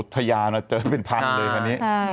ทะยามาเจอเป็นพันเลยคราวนี้